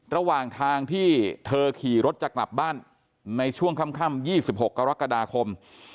ระหว่างทางที่เธอขี่รถจะกลับบ้านในช่วงค่ำ๒๖กรกฎาคม